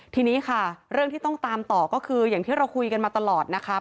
ทีนี้ค่ะเรื่องที่ต้องตามต่อก็คืออย่างที่เราคุยกันมาตลอดนะคะ